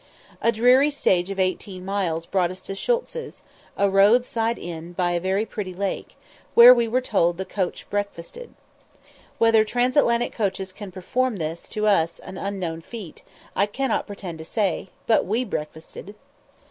A dreary stage of eighteen miles brought us to Shultze's, a road side inn by a very pretty lake, where we were told the "coach breakfasted." Whether Transatlantic coaches can perform this, to us, unknown feat, I cannot pretend to say, but we breakfasted.